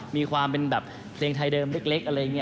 มีความเป็นแบบเพลงไทยเดิมเล็กอะไรอย่างนี้